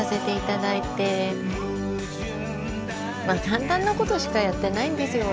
簡単なことしかやってないんですよ